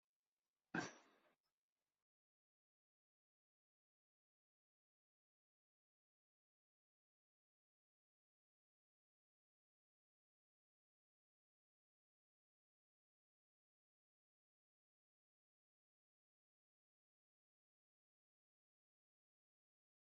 Inṭeq Isḥaq ɣer baba-s Dda Bṛahim, inna-as: A Baba!